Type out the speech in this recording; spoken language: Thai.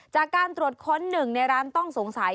จากการตรวจค้นหนึ่งในร้านต้องสงสัย